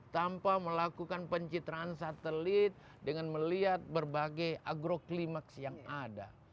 tanpa melakukan pencitraan satelit dengan melihat berbagai agroclimaks yang ada